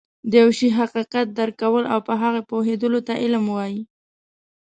د يوه شي حقيقت درک کول او په هغه پوهيدلو ته علم وایي